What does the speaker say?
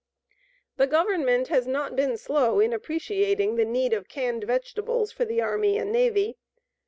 The Government has not been slow in appreciating the need of canned vegetables for the Army and Navy.